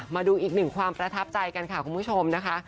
มาดูอีกหนึ่งความประทับใจกันค่ะคุณผู้ชมนะคะ